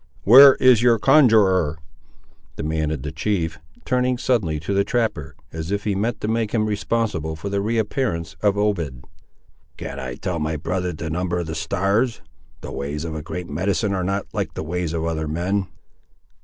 "Where is your conjuror?" demanded the chief, turning suddenly to the trapper, as if he meant to make him responsible for the re appearance of Obed. "Can I tell my brother the number of the stars? The ways of a great medicine are not like the ways of other men."